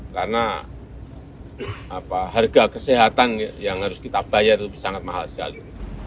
karena harga kesehatan yang harus kita bayar sangat mahal sekali